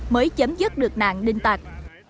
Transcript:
mới chấm dứt được nạn đinh tặc